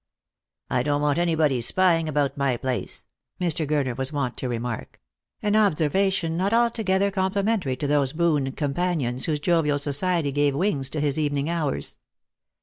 " I don't want anybody spying about my place," Mr. Gurner was wont to remark; an observation not altogether compli mentary to those boon companions whose jovial society gave wings to his evening hours.